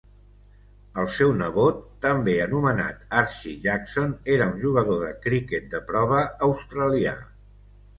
El seu nebot, també anomenat Archie Jackson, era un jugador de criquet de prova australià.